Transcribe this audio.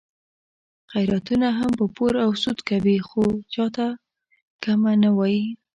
خیراتونه هم په پور او سود کوي، خو چاته کمه نه وایي.